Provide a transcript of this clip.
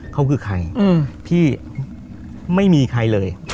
เขาคือใครพี่ไม่มีใครเลย